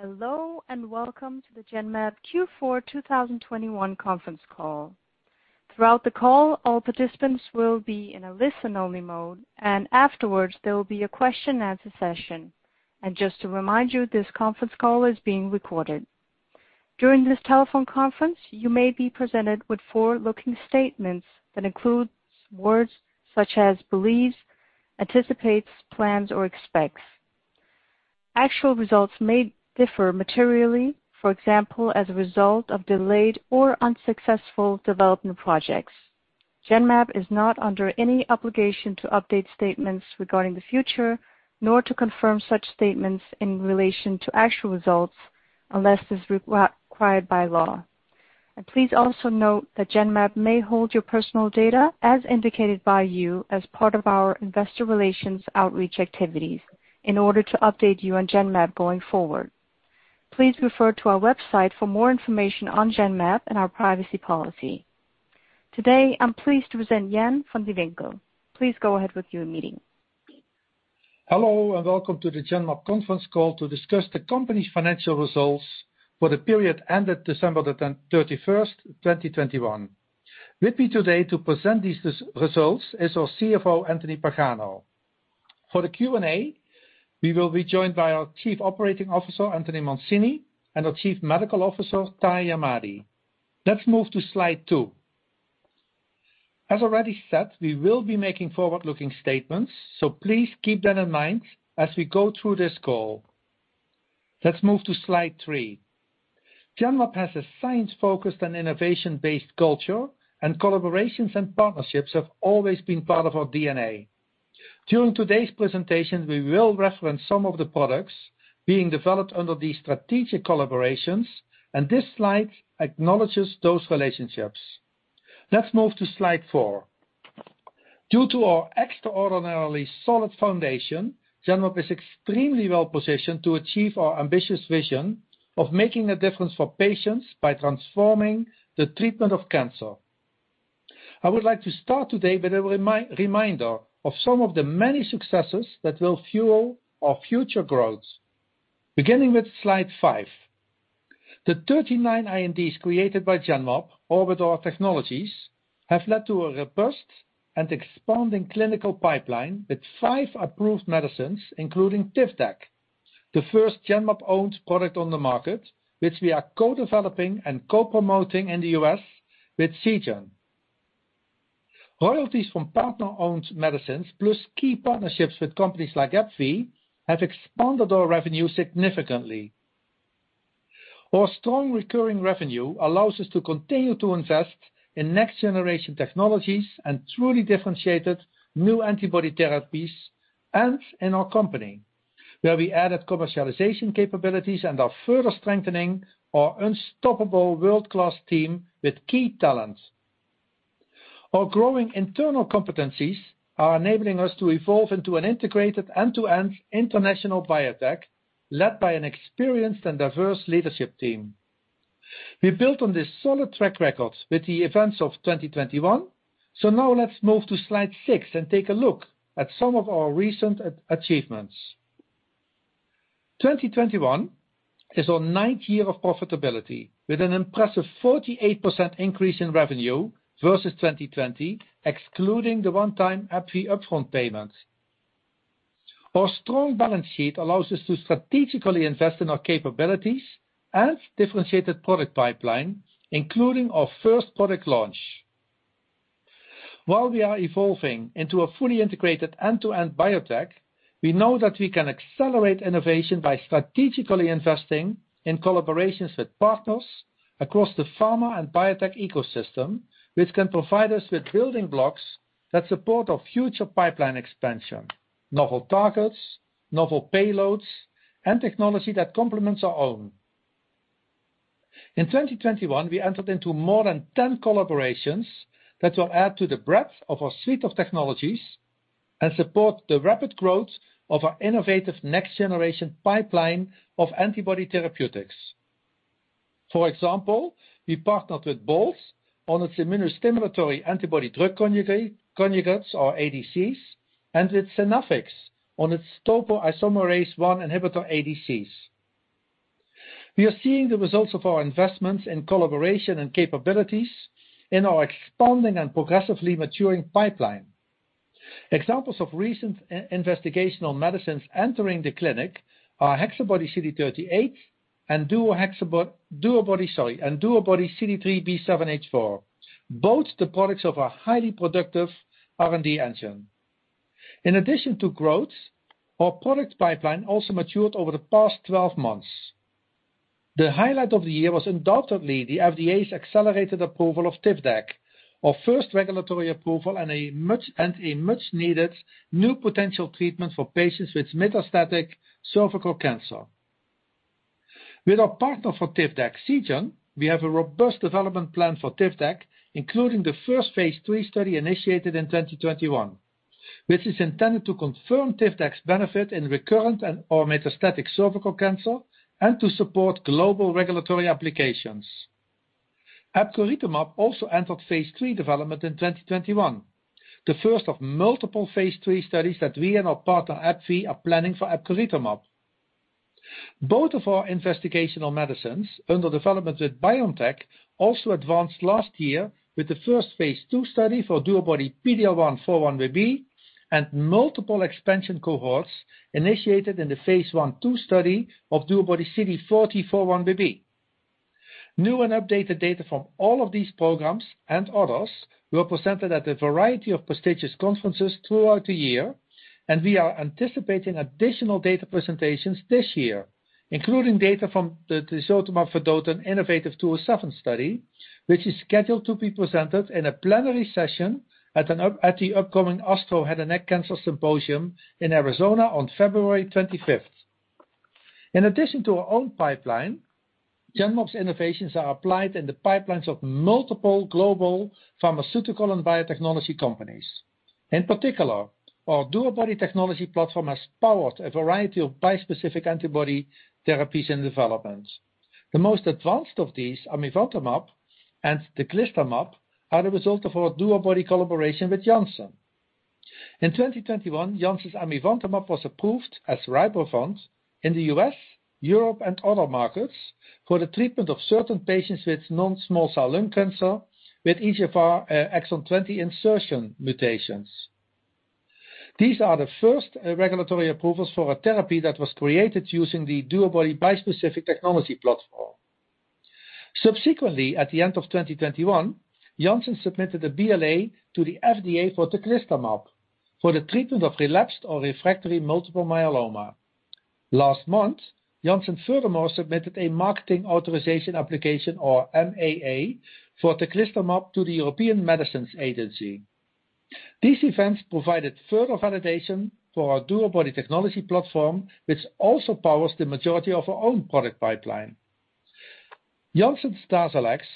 Hello, and welcome to the Genmab Q4 2021 conference call. Throughout the call, all participants will be in a listen-only mode, and afterwards, there will be a question and answer session. Just to remind you, this conference call is being recorded. During this telephone conference, you may be presented with forward-looking statements that includes words such as believes, anticipates, plans, or expects. Actual results may differ materially, for example, as a result of delayed or unsuccessful development projects. Genmab is not under any obligation to update statements regarding the future, nor to confirm such statements in relation to actual results, unless it's required by law. Please also note that Genmab may hold your personal data as indicated by you as part of our investor relations outreach activities in order to update you on Genmab going forward. Please refer to our website for more information on Genmab and our privacy policy. Today, I'm pleased to present Jan van de Winkel. Please go ahead with your meeting. Hello, and welcome to the Genmab conference call to discuss the company's financial results for the period ended December 31st, 2021. With me today to present these results is our CFO, Anthony Pagano. For the Q&A, we will be joined by our Chief Operating Officer, Anthony Mancini, and our Chief Medical Officer, Tahi Ahmadi. Let's move to slide two. As already said, we will be making forward-looking statements, so please keep that in mind as we go through this call. Let's move to slide three. Genmab has a science-focused and innovation-based culture, and collaborations and partnerships have always been part of our DNA. During today's presentation, we will reference some of the products being developed under these strategic collaborations, and this slide acknowledges those relationships. Let's move to slide four. Due to our extraordinarily solid foundation, Genmab is extremely well-positioned to achieve our ambitious vision of making a difference for patients by transforming the treatment of cancer. I would like to start today with a reminder of some of the many successes that will fuel our future growth. Beginning with slide five. The 39 INDs created by Genmab or with our technologies have led to a robust and expanding clinical pipeline with 5 approved medicines, including TIVDAK, the first Genmab-owned product on the market, which we are co-developing and co-promoting in the U.S. with Seagen. Royalties from partner-owned medicines plus key partnerships with companies like AbbVie have expanded our revenue significantly. Our strong recurring revenue allows us to continue to invest in next generation technologies and truly differentiated new antibody therapies, and in our company, where we added commercialization capabilities and are further strengthening our unstoppable world-class team with key talents. Our growing internal competencies are enabling us to evolve into an integrated end-to-end international biotech, led by an experienced and diverse leadership team. We built on this solid track record with the events of 2021. Now let's move to slide 6 and take a look at some of our recent achievements. 2021 is our ninth year of profitability, with an impressive 48% increase in revenue versus 2020, excluding the one-time AbbVie upfront payments. Our strong balance sheet allows us to strategically invest in our capabilities and differentiated product pipeline, including our first product launch. While we are evolving into a fully integrated end-to-end biotech, we know that we can accelerate innovation by strategically investing in collaborations with partners across the pharma and biotech ecosystem, which can provide us with building blocks that support our future pipeline expansion, novel targets, novel payloads, and technology that complements our own. In 2021, we entered into more than 10 collaborations that will add to the breadth of our suite of technologies and support the rapid growth of our innovative next generation pipeline of antibody therapeutics. For example, we partnered with Bolt on its immunostimulatory antibody drug conjugates or ADCs, and with Synaffix on its topoisomerase I inhibitor ADCs. We are seeing the results of our investments in collaboration and capabilities in our expanding and progressively maturing pipeline. Examples of recent investigational medicines entering the clinic are HexaBody-CD38 and DuoBody-CD3xB7H4, both products of our highly productive R&D engine. In addition to growth, our product pipeline also matured over the past 12 months. The highlight of the year was undoubtedly the FDA's accelerated approval of TIVDAK, our first regulatory approval and a much needed new potential treatment for patients with metastatic cervical cancer. With our partner for TIVDAK, Seagen, we have a robust development plan for TIVDAK, including the first phase III study initiated in 2021, which is intended to confirm TIVDAK's benefit in recurrent and/or metastatic cervical cancer and to support global regulatory applications. Epcoritamab also entered phase III development in 2021, the first of multiple phase III studies that we and our partner AbbVie are planning for epcoritamab. Both of our investigational medicines under development with BioNTech also advanced last year with the first phase II study for DuoBody-PD-L1x4-1BB, and multiple expansion cohorts initiated in the phase I/II study of DuoBody-CD40x4-1BB. New and updated data from all of these programs and others were presented at a variety of prestigious conferences throughout the year, and we are anticipating additional data presentations this year, including data from the tisotumab vedotin innovaTV 207 study, which is scheduled to be presented in a plenary session at the upcoming Multidisciplinary Head and Neck Cancers Symposium in Arizona on February 25th. In addition to our own pipeline, Genmab's innovations are applied in the pipelines of multiple global pharmaceutical and biotechnology companies. In particular, our DuoBody technology platform has powered a variety of bispecific antibody therapies and developments. The most advanced of these, amivantamab and teclistamab, are the result of our DuoBody collaboration with Janssen. In 2021, Janssen's amivantamab was approved as Rybrevant in the U.S., Europe, and other markets for the treatment of certain patients with non-small cell lung cancer with EGFR exon 20 insertion mutations. These are the first regulatory approvals for a therapy that was created using the DuoBody bispecific technology platform. Subsequently, at the end of 2021, Janssen submitted a BLA to the FDA for teclistamab for the treatment of relapsed or refractory multiple myeloma. Last month, Janssen furthermore submitted a marketing authorization application or MAA for teclistamab to the European Medicines Agency. These events provided further validation for our DuoBody technology platform, which also powers the majority of our own product pipeline. Janssen's DARZALEX,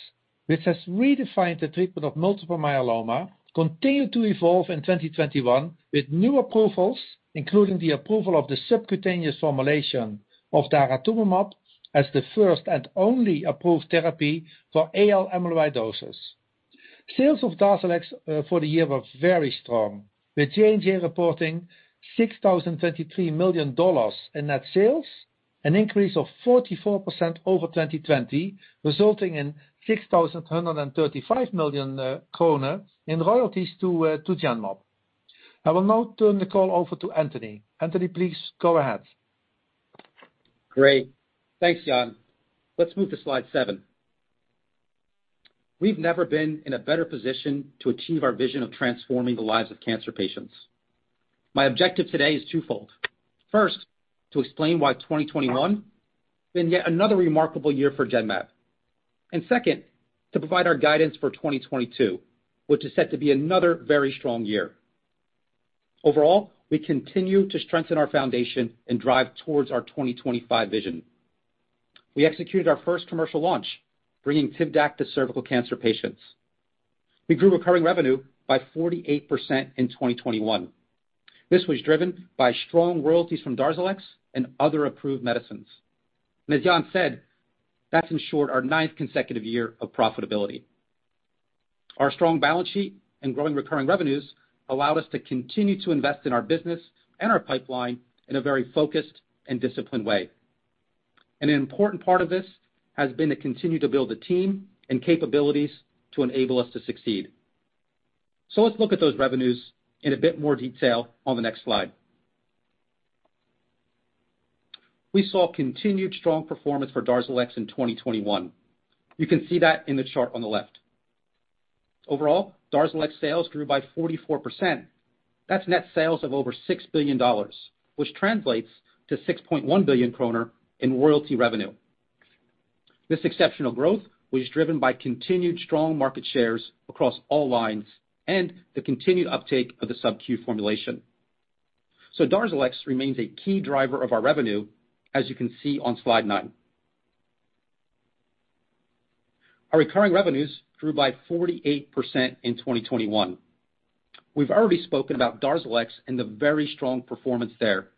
which has redefined the treatment of multiple myeloma, continued to evolve in 2021 with new approvals, including the approval of the subcutaneous formulation of daratumumab as the first and only approved therapy for AL amyloidosis. Sales of DARZALEX for the year were very strong, with J&J reporting $6,033 million in net sales, an increase of 44% over 2020, resulting in 6,035 million kroner in royalties to Genmab. I will now turn the call over to Anthony. Anthony, please go ahead. Great. Thanks, Jan. Let's move to slide seven. We've never been in a better position to achieve our vision of transforming the lives of cancer patients. My objective today is twofold. First, to explain why 2021 has been yet another remarkable year for Genmab, and second, to provide our guidance for 2022, which is set to be another very strong year. Overall, we continue to strengthen our foundation and drive towards our 2025 Vision. We executed our first commercial launch, bringing TIVDAK to cervical cancer patients. We grew recurring revenue by 48% in 2021. This was driven by strong royalties from DARZALEX and other approved medicines. As Jan said, that's in short our ninth consecutive year of profitability. Our strong balance sheet and growing recurring revenues allowed us to continue to invest in our business and our pipeline in a very focused and disciplined way. An important part of this has been to continue to build the team and capabilities to enable us to succeed. Let's look at those revenues in a bit more detail on the next slide. We saw continued strong performance for DARZALEX in 2021. You can see that in the chart on the left. Overall, DARZALEX sales grew by 44%. That's net sales of over $6 billion, which translates to 6.1 billion kroner in royalty revenue. This exceptional growth was driven by continued strong market shares across all lines and the continued uptake of the subQ formulation. DARZALEX remains a key driver of our revenue, as you can see on slide nine. Our recurring revenues grew by 48% in 2021. We've already spoken about DARZALEX and the very strong performance there.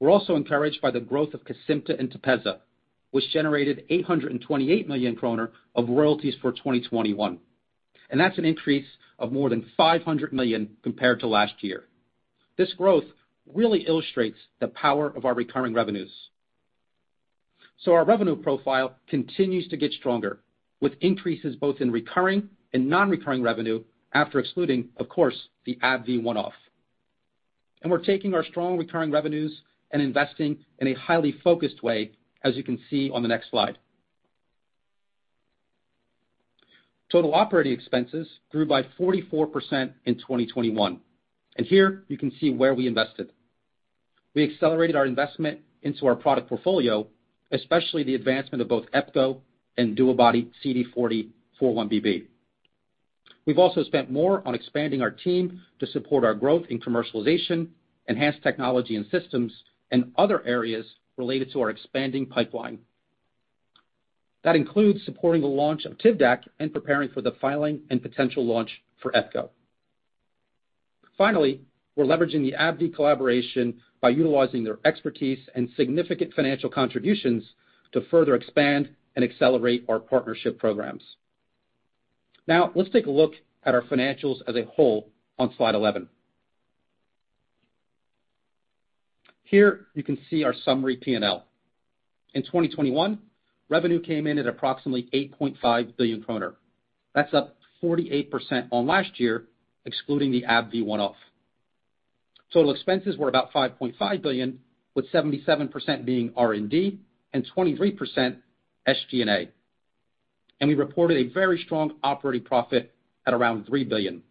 We're also encouraged by the growth of Kyprolis and Tepezza, which generated 828 million kroner of royalties for 2021, and that's an increase of more than 500 million compared to last year. This growth really illustrates the power of our recurring revenues. Our revenue profile continues to get stronger, with increases both in recurring and non-recurring revenue after excluding, of course, the AbbVie one-off. We're taking our strong recurring revenues and investing in a highly focused way, as you can see on the next slide. Total operating expenses grew by 44% in 2021, and here you can see where we invested. We accelerated our investment into our product portfolio, especially the advancement of both epcoritamab and DuoBody-CD40x4-1BB. We've also spent more on expanding our team to support our growth in commercialization, enhanced technology and systems, and other areas related to our expanding pipeline. That includes supporting the launch of TIVDAK and preparing for the filing and potential launch for Epco. Finally, we're leveraging the AbbVie collaboration by utilizing their expertise and significant financial contributions to further expand and accelerate our partnership programs. Now let's take a look at our financials as a whole on slide 11. Here you can see our summary P&L. In 2021, revenue came in at approximately 8.5 billion kroner. That's up 48% on last year, excluding the AbbVie one-off. Total expenses were about 5.5 billion, with 77% being R&D and 23% SG&A. We reported a very strong operating profit at around 3 billion.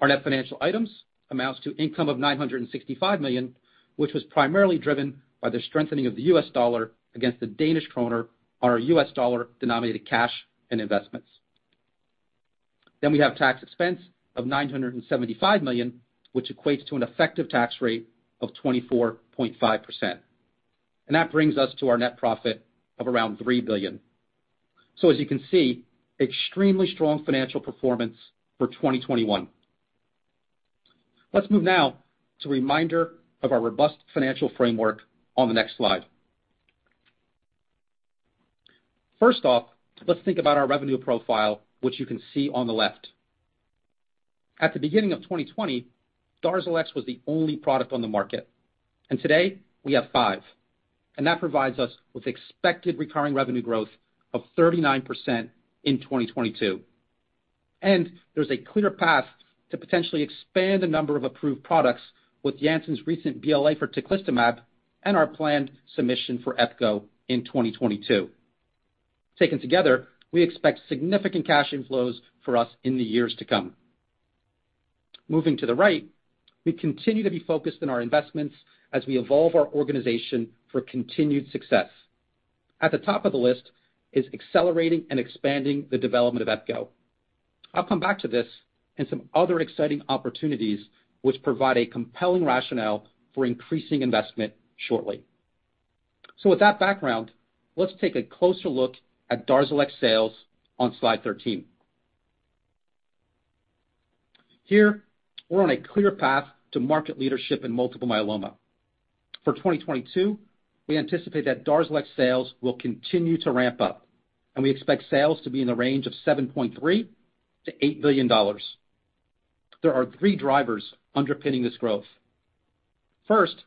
Our net financial items amount to income of 965 million, which was primarily driven by the strengthening of the U.S. dollar against the Danish kroner on our U.S. dollar-denominated cash and investments. We have tax expense of 975 million, which equates to an effective tax rate of 24.5%. That brings us to our net profit of around 3 billion. As you can see, extremely strong financial performance for 2021. Let's move now to a reminder of our robust financial framework on the next slide. First off, let's think about our revenue profile, which you can see on the left. At the beginning of 2020, DARZALEX was the only product on the market, and today we have five. That provides us with expected recurring revenue growth of 39% in 2022. There's a clear path to potentially expand the number of approved products with Janssen's recent BLA for teclistamab and our planned submission for epcoritamab in 2022. Taken together, we expect significant cash inflows for us in the years to come. Moving to the right, we continue to be focused in our investments as we evolve our organization for continued success. At the top of the list is accelerating and expanding the development of epcoritamab. I'll come back to this and some other exciting opportunities which provide a compelling rationale for increasing investment shortly. With that background, let's take a closer look at DARZALEX sales on slide 13. Here, we're on a clear path to market leadership in multiple myeloma. For 2022, we anticipate that DARZALEX sales will continue to ramp up, and we expect sales to be in the range of $7.3 billion-$8 billion. There are three drivers underpinning this growth. First,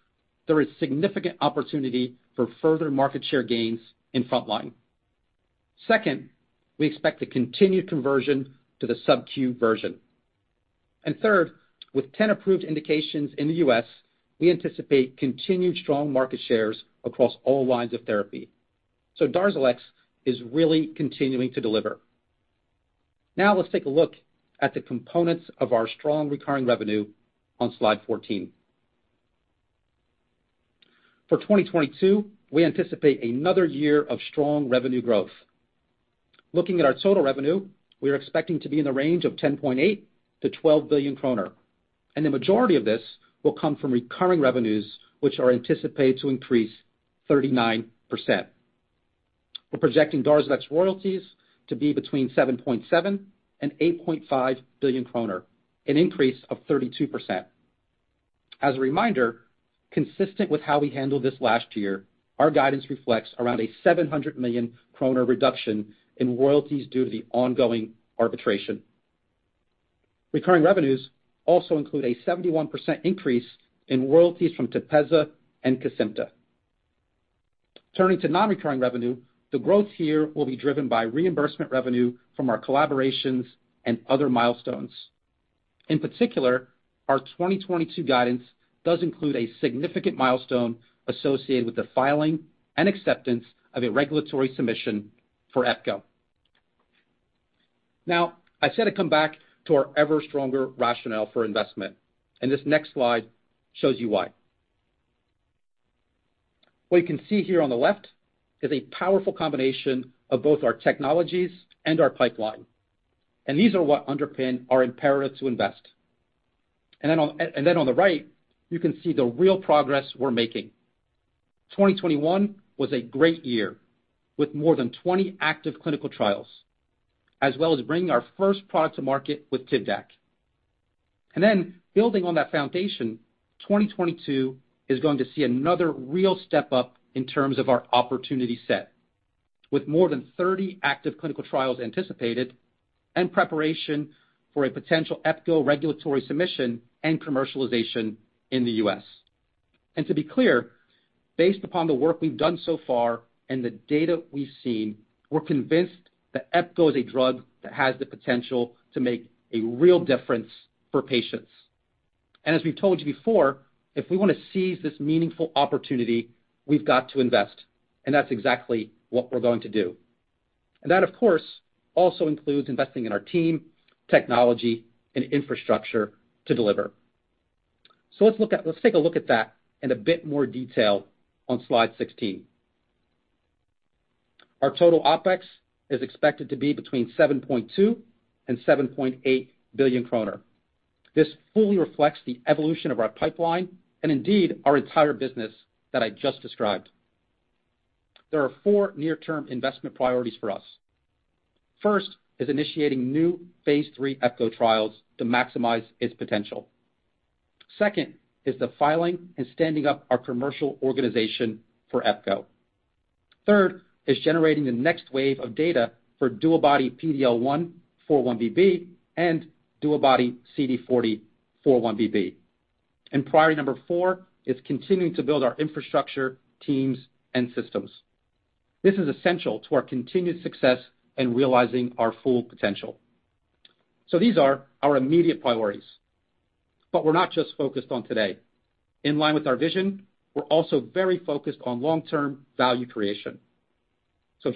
there is significant opportunity for further market share gains in frontline. Second, we expect a continued conversion to the subq version. Third, with 10 approved indications in the U.S., we anticipate continued strong market shares across all lines of therapy. DARZALEX is really continuing to deliver. Now let's take a look at the components of our strong recurring revenue on slide 14. For 2022, we anticipate another year of strong revenue growth. Looking at our total revenue, we are expecting to be in the range of 10.8 billion-12 billion kroner, and the majority of this will come from recurring revenues, which are anticipated to increase 39%. We're projecting DARZALEX royalties to be between 7.7 billion-8.5 billion kroner, an increase of 32%. As a reminder, consistent with how we handled this last year, our guidance reflects around a 700 million kroner reduction in royalties due to the ongoing arbitration. Recurring revenues also include a 71% increase in royalties from Tepezza and Kesimpta. Turning to non-recurring revenue, the growth here will be driven by reimbursement revenue from our collaborations and other milestones. In particular, our 2022 guidance does include a significant milestone associated with the filing and acceptance of a regulatory submission for epcoritamab. Now, I said I'd come back to our ever-stronger rationale for investment, and this next slide shows you why. What you can see here on the left is a powerful combination of both our technologies and our pipeline. These are what underpin our imperative to invest. On the right, you can see the real progress we're making. 2021 was a great year with more than 20 active clinical trials, as well as bringing our first product to market with Kesimpta. Building on that foundation, 2022 is going to see another real step up in terms of our opportunity set with more than 30 active clinical trials anticipated and preparation for a potential epcoritamab regulatory submission and commercialization in the U.S. To be clear, based upon the work we've done so far and the data we've seen, we're convinced that Epco is a drug that has the potential to make a real difference for patients. As we've told you before, if we wanna seize this meaningful opportunity, we've got to invest, and that's exactly what we're going to do. That, of course, also includes investing in our team, technology, and infrastructure to deliver. Let's take a look at that in a bit more detail on slide 16. Our total OpEx is expected to be between 7.2 billion and 7.8 billion kroner. This fully reflects the evolution of our pipeline and indeed our entire business that I just described. There are four near-term investment priorities for us. First is initiating new phase III Epco trials to maximize its potential. Second is the filing and standing up our commercial organization for epcoritamab. Third is generating the next wave of data for DuoBody PD-L1 4-1BB, and DuoBody CD40 4-1BB. Priority number four is continuing to build our infrastructure, teams, and systems. This is essential to our continued success in realizing our full potential. These are our immediate priorities, but we're not just focused on today. In line with our vision, we're also very focused on long-term value creation.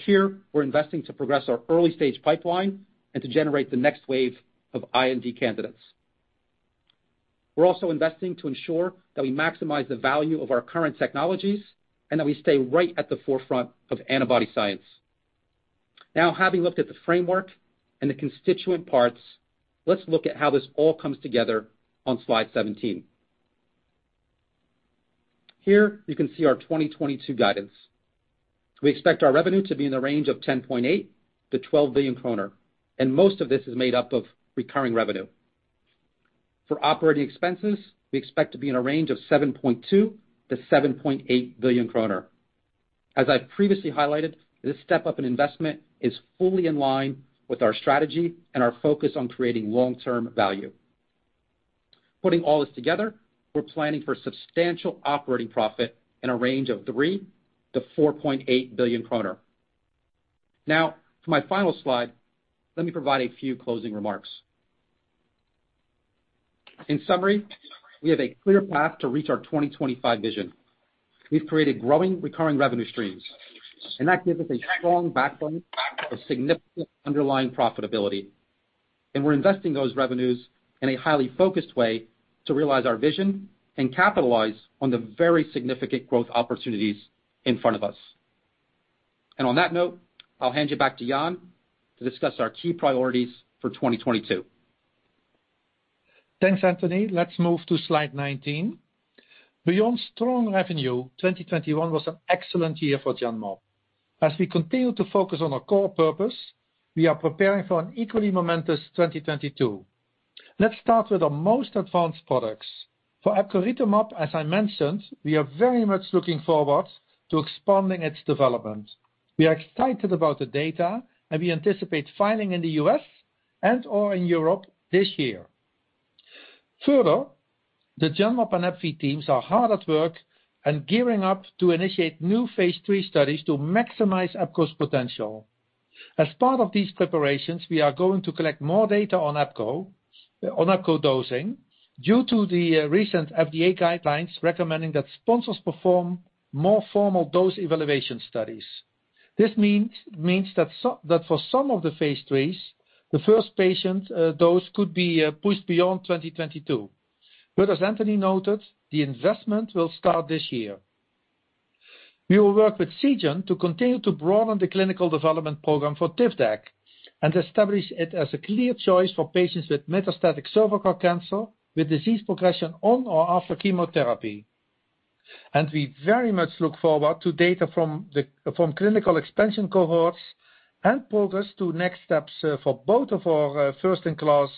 Here we're investing to progress our early stage pipeline and to generate the next wave of IND candidates. We're also investing to ensure that we maximize the value of our current technologies and that we stay right at the forefront of antibody science. Now, having looked at the framework and the constituent parts, let's look at how this all comes together on slide 17. Here you can see our 2022 guidance. We expect our revenue to be in the range of 10.8 billion-12 billion kroner, and most of this is made up of recurring revenue. For operating expenses, we expect to be in a range of 7.2 billion-7.8 billion kroner. As I previously highlighted, this step-up in investment is fully in line with our strategy and our focus on creating long-term value. Putting all this together, we're planning for substantial operating profit in a range of 3 billion-4.8 billion kroner. Now to my final slide. Let me provide a few closing remarks. In summary, we have a clear path to reach our 2025 Vision. We've created growing recurring revenue streams, and that gives us a strong backbone for significant underlying profitability. We're investing those revenues in a highly focused way to realize our vision and capitalize on the very significant growth opportunities in front of us. On that note, I'll hand you back to Jan to discuss our key priorities for 2022. Thanks, Anthony. Let's move to slide 19. Beyond strong revenue, 2021 was an excellent year for Genmab. As we continue to focus on our core purpose, we are preparing for an equally momentous 2022. Let's start with our most advanced products. For epcoritamab, as I mentioned, we are very much looking forward to expanding its development. We are excited about the data, and we anticipate filing in the U.S. and/or in Europe this year. Further, the Genmab and AbbVie teams are hard at work and gearing up to initiate new phase III studies to maximize epcoritamab's potential. As part of these preparations, we are going to collect more data on epcoritamab, on epcoritamab dosing due to the recent FDA guidelines recommending that sponsors perform more formal dose evaluation studies. This means that some That for some of the phase IIIs, the first patient dose could be pushed beyond 2022. As Anthony noted, the investment will start this year. We will work with Seagen to continue to broaden the clinical development program for TIVDAK and establish it as a clear choice for patients with metastatic cervical cancer, with disease progression on or after chemotherapy. We very much look forward to data from the clinical expansion cohorts and progress to next steps for both of our first-in-class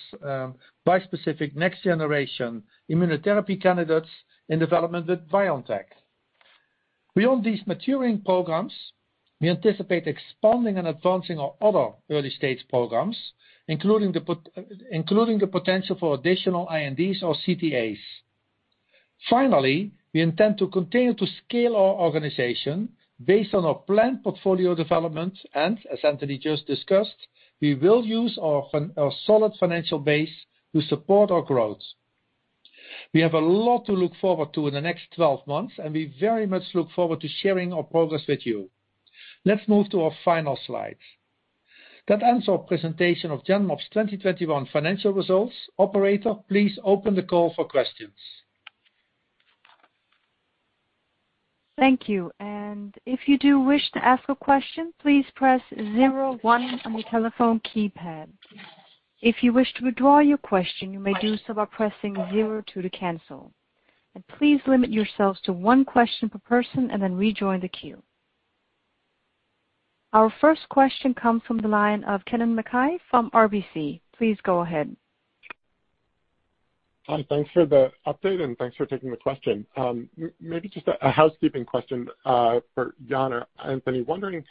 bispecific next-generation immunotherapy candidates in development with BioNTech. Beyond these maturing programs, we anticipate expanding and advancing our other early-stage programs, including the potential for additional INDs or CTAs. Finally, we intend to continue to scale our organization based on our planned portfolio development, and as Anthony just discussed, we will use our solid financial base to support our growth. We have a lot to look forward to in the next 12 months, and we very much look forward to sharing our progress with you. Let's move to our final slide. That ends our presentation of Genmab's 2021 financial results. Operator, please open the call for questions. Thank you. If you do wish to ask a question, please press zero one on your telephone keypad. If you wish to withdraw your question, you may do so by pressing zero two to cancel. Please limit yourselves to one question per person and then rejoin the queue. Our first question comes from the line of Kennen MacKay from RBC. Please go ahead. Hi. Thanks for the update and thanks for taking the question. Maybe just a housekeeping question for Jan or Anthony. Wondering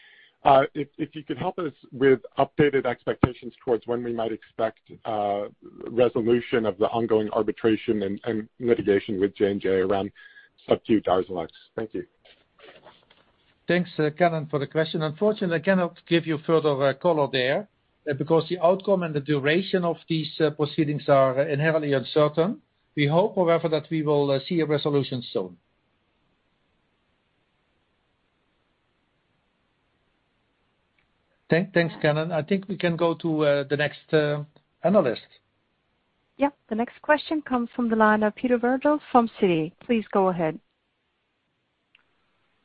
if you could help us with updated expectations towards when we might expect resolution of the ongoing arbitration and litigation with J&J around SubQ DARZALEX. Thank you. Thanks, Kennen, for the question. Unfortunately, I cannot give you further color there because the outcome and the duration of these proceedings are inherently uncertain. We hope, however, that we will see a resolution soon. Thanks, Kennen. I think we can go to the next analyst. Yep. The next question comes from the line of Peter Verdult from Citi. Please go ahead.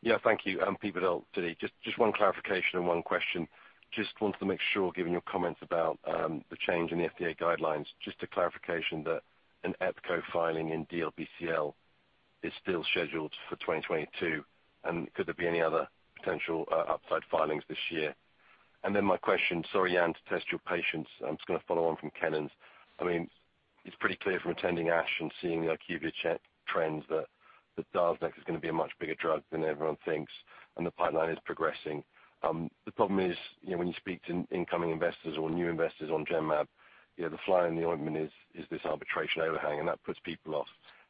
Yeah, thank you. I'm Peter Verdult, Citi. Just one clarification and one question. Just wanted to make sure, given your comments about the change in the FDA guidelines, just a clarification that an Epco filing in DLBCL. Is still scheduled for 2022, and could there be any other potential upside filings this year? My question, sorry, Jan, to test your patience, I'm just gonna follow on from Kennen's. I mean, it's pretty clear from attending ASH and seeing the IQVIA trends that DARZALEX is gonna be a much bigger drug than everyone thinks, and the pipeline is progressing. The problem is, you know, when you speak to incoming investors or new investors on Genmab, you know, the fly in the ointment is this arbitration overhang, and that puts people off.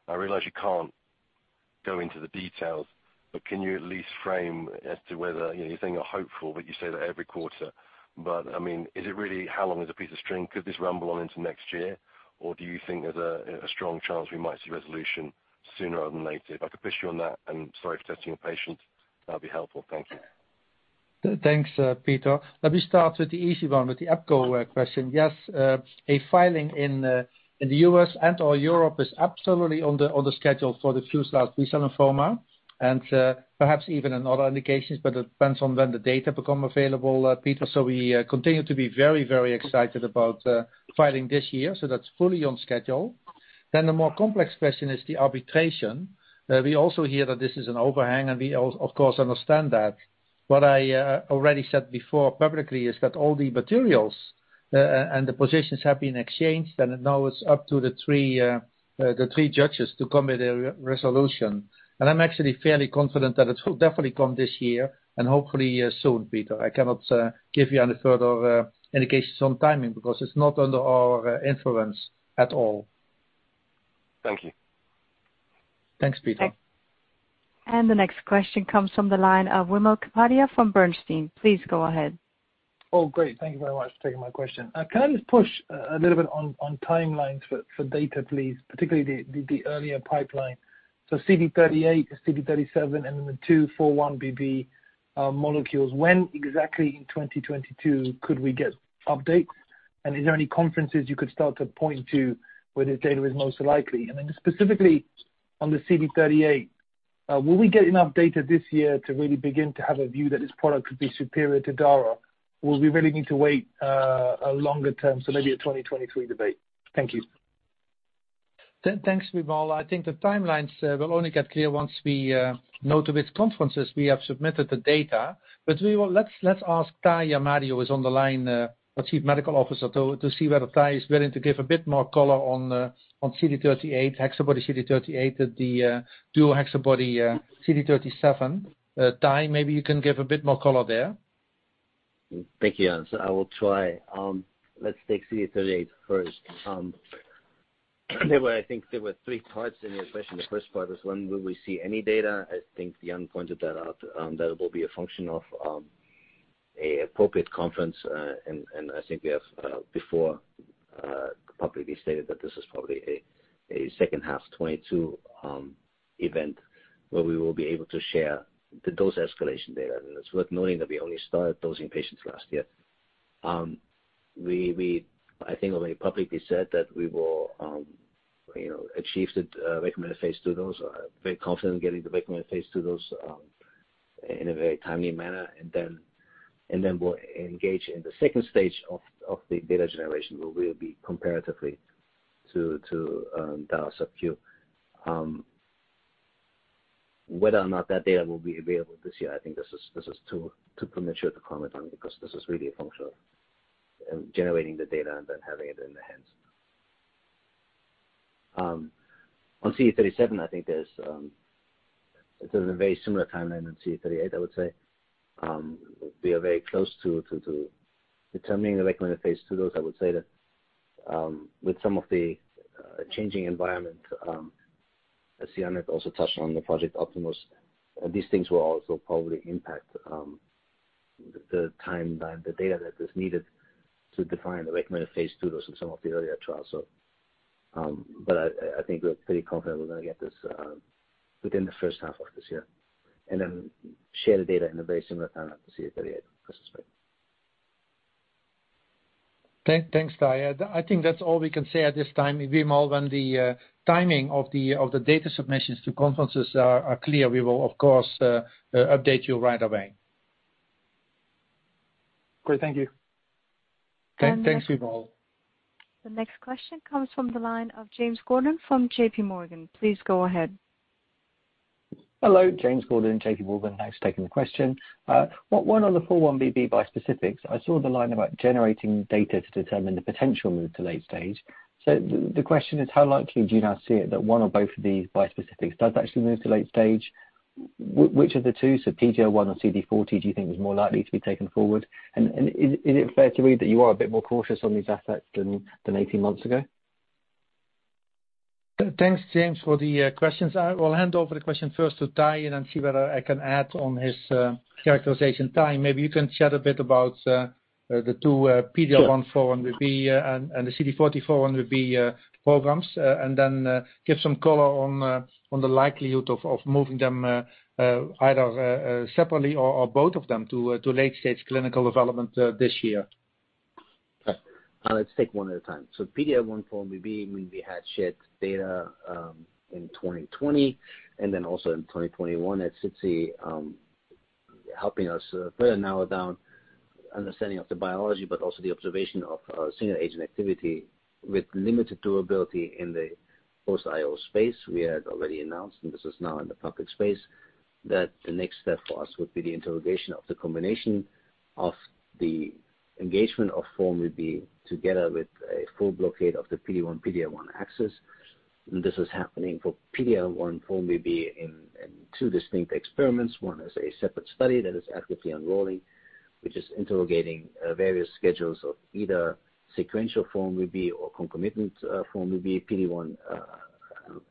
I realize you can't go into the details, but can you at least frame as to whether, you know, you're saying you're hopeful, but you say that every quarter. I mean, is it really how long is a piece of string? Could this rumble on into next year? Do you think there's a strong chance we might see resolution sooner rather than later? If I could push you on that, and sorry for testing your patience, that'd be helpful. Thank you. Thanks, Peter. Let me start with the easy one, with the Epco question. Yes, a filing in the U.S. and or Europe is absolutely on the, on the schedule for the Fluzat, Bisone, and Forma, and perhaps even in other indications, but it depends on when the data become available, Peter. So we continue to be very, very excited about filing this year, so that's fully on schedule. The more complex question is the arbitration. We also hear that this is an overhang, and we of course understand that. What I already said before publicly is that all the materials and the positions have been exchanged, and now it's up to the three, the three judges to come at a resolution. I'm actually fairly confident that it will definitely come this year, and hopefully, soon, Peter. I cannot give you any further indications on timing because it's not under our influence at all. Thank you. Thanks, Peter. The next question comes from the line of Wimal Kapadia from Bernstein. Please go ahead. Oh, great. Thank you very much for taking my question. Can I just push a little bit on timelines for data, please, particularly the earlier pipeline. CD38, CD37, and then the two 4-1BB molecules. When exactly in 2022 could we get updates? And is there any conferences you could start to point to where this data is most likely? And then just specifically on the CD38, will we get enough data this year to really begin to have a view that this product could be superior to Dara, or will we really need to wait a longer term, so maybe a 2023 data? Thank you. Thanks, Wimal. I think the timelines will only get clear once we know to which conferences we have submitted the data. We will. Let's ask Tahi Ahmadi is on the line, our Chief Medical Officer, to see whether Tahi is willing to give a bit more color on CD38, HexaBody-CD38, at the DuoHexaBody CD37. Tahi, maybe you can give a bit more color there. Thank you, Jan. I will try. Let's take CD38 first. I think there were three parts in your question. The first part is when will we see any data. I think Jan pointed that out, that it will be a function of an appropriate conference. I think we have before publicly stated that this is probably a second half 2022 event where we will be able to share the dose escalation data. It's worth noting that we only started dosing patients last year. I think we already publicly said that we will, you know, achieve the recommended phase II dose. Very confident getting the recommended phase II dose in a very timely manner. We'll engage in the second stage of the data generation, where we'll be comparatively to DARZALEX. Whether or not that data will be available this year, I think this is too premature to comment on because this is really a function of generating the data and then having it in the hands. On CD37, I think there's a very similar timeline than CD38, I would say. We are very close to determining the recommended phase II dose. I would say that with some of the changing environment, as Jan had also touched on the Project Optimus, these things will also probably impact the timeline, the data that is needed to define the recommended phase II dose in some of the earlier trials. I think we're pretty confident we're gonna get this within the first half of this year, and then share the data in a very similar time as the CD38 participants. Thanks, Tahi. I think that's all we can say at this time. Wimal, when the timing of the data submissions to conferences are clear, we will of course update you right away. Great. Thank you. Thanks, Wimal. The next question comes from the line of James Gordon from JPMorgan. Please go ahead. Hello. James Gordon, JPMorgan. Thanks for taking the question. One on the 4-1BB bispecifics. I saw the line about generating data to determine the potential move to late stage. So the question is how likely do you now see it that one or both of these bispecifics does actually move to late stage? Which of the two, so PD-L1 or CD40, do you think is more likely to be taken forward? Is it fair to read that you are a bit more cautious on these assets than 18 months ago? Thanks, James, for the questions. I will hand over the question first to Tahi and then see whether I can add on his characterization. Tahi, maybe you can chat a bit about the two PDL- Sure 4-1BB and the CD40 4-1BB programs, and then give some color on the likelihood of moving them either separately or both of them to late-stage clinical development this year. Let's take one at a time. PD-L1 4-1BB, we had shared data in 2020 and then also in 2021 at SITC. Helping us further narrow down understanding of the biology, but also the observation of single agent activity with limited durability in the post-IO space. We had already announced, and this is now in the public space, that the next step for us would be the interrogation of the combination of the engagement of 4-1BB together with a full blockade of the PD-1, PD-L1 axis. This is happening for PD-L1 4-1BB in two distinct experiments. One is a separate study that is actively enrolling, which is interrogating various schedules of either sequential 4-1BB or concomitant 4-1BB PD-1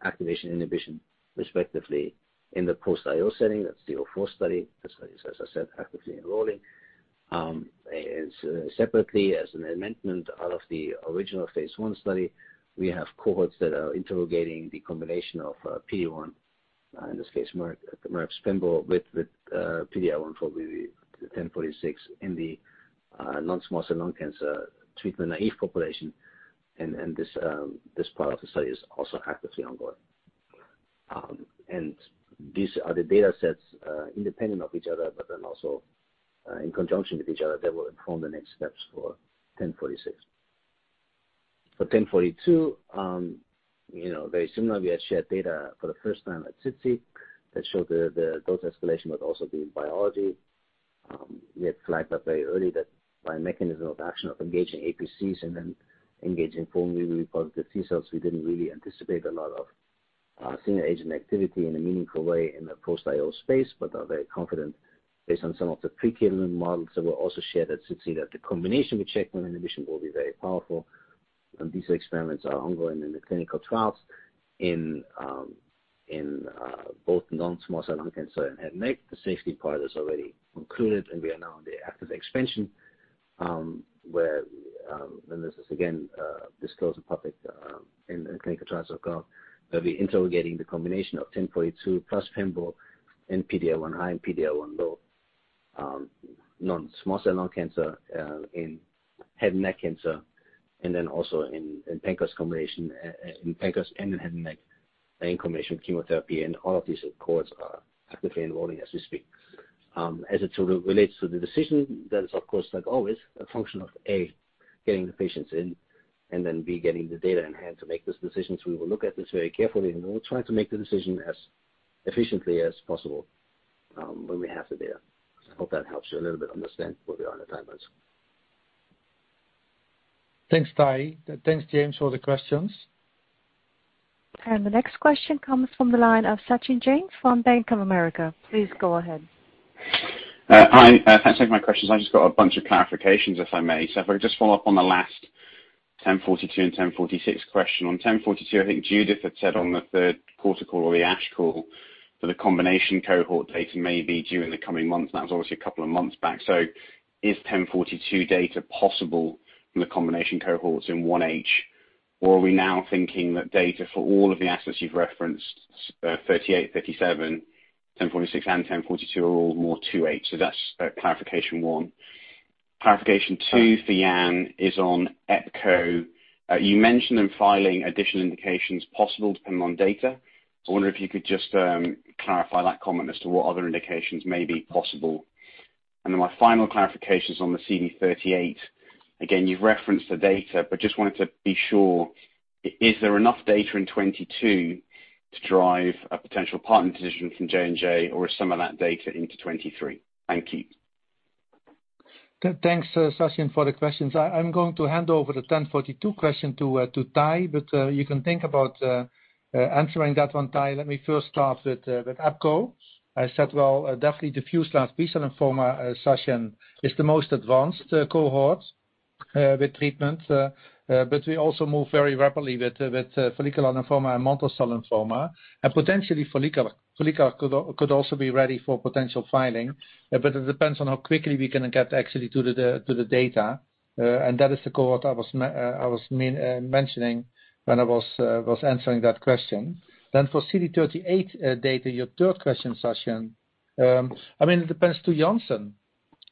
activation inhibition, respectively, in the post-IO setting. That's the 04 study. The study is, as I said, actively enrolling. Separately, as an amendment out of the original phase I study, we have cohorts that are interrogating the combination of PD-1, in this case, Merck's pembrolizumab with PD-L1, GEN1046 in the non-small cell lung cancer treatment-naive population. This part of the study is also actively ongoing. These are the data sets independent of each other, but then also in conjunction with each other, that will inform the next steps for GEN1046. For GEN1042, you know, very similar, we had shared data for the first time at SITC that showed the dose escalation would also be in biology. We had flagged that very early that by mechanism of action of engaging APCs and then engaging 4-1BB positive T-cells, we didn't really anticipate a lot of single agent activity in a meaningful way in the post-IO space, but are very confident based on some of the preclinical models that were also shared at SITC, that the combination with checkpoint inhibition will be very powerful. These experiments are ongoing in the clinical trials in both non-small cell lung cancer and head and neck cancer. The safety part is already concluded, and we are now in the active expansion, where this is again disclosed in public in clinicaltrials.gov. We'll be interrogating the combination of ten forty-two plus pembrolizumab in PD-L1 high and PD-L1 low, non-small cell lung cancer, in head and neck cancer, and then also in pancreatic cancer combination, in pancreatic cancer and in head and neck in combination with chemotherapy. All of these, of course, are actively enrolling as we speak. As it relates to the decision, that is of course like always, a function of A, getting the patients in, and then B, getting the data in hand to make those decisions. We will look at this very carefully, and we'll try to make the decision as efficiently as possible, when we have the data. I hope that helps you a little bit understand where we are on the timelines. Thanks, Tahi. Thanks, James, for the questions. The next question comes from the line of Sachin Jain from Bank of America. Please go ahead. Hi. Thanks for taking my questions. I just got a bunch of clarifications, if I may. If I could just follow up on the last GEN1042 and GEN1046 question. On GEN1042, I think Judith had said on the third quarter call or the ASH call that a combination cohort data may be due in the coming months. That was obviously a couple of months back. Is GEN1042 data possible from the combination cohorts in 1H? Or are we now thinking that data for all of the assets you've referenced, CD38, CD37, GEN1046, and GEN1042 are all in 2H? That's clarification one. Clarification two for Jan is on epcoritamab. You mentioned in filing additional indications possible depending on data. I wonder if you could just clarify that comment as to what other indications may be possible. My final clarification is on the CD38. Again, you've referenced the data, but just wanted to be sure, is there enough data in 2022 to drive a potential partner decision from J&J or is some of that data into 2023? Thank you. Thanks, Sachin, for the questions. I'm going to hand over the GEN1042 question to Tahi, but you can think about answering that one, Tahi. Let me first start with Epco. I said, well, definitely diffuse large B-cell lymphoma, Sachin, is the most advanced cohort with treatment, but we also move very rapidly with follicular lymphoma and mantle cell lymphoma. Potentially follicular could also be ready for potential filing, but it depends on how quickly we can get actually to the data. That is the cohort I was mentioning when I was answering that question. For CD38 data, your third question, Sachin, I mean, it depends on Janssen,